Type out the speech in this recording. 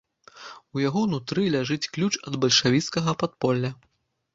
У яго нутры ляжыць ключ ад бальшавіцкага падполля.